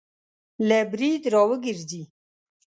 له برید را وګرځي